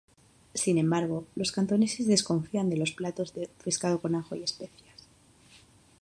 Sin embargo, los cantoneses desconfían de los platos de pescado con ajo y especias.